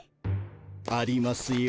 ありますよ。